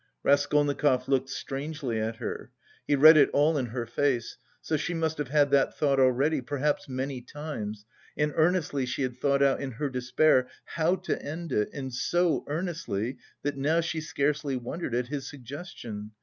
Raskolnikov looked strangely at her. He read it all in her face; so she must have had that thought already, perhaps many times, and earnestly she had thought out in her despair how to end it and so earnestly, that now she scarcely wondered at his suggestion.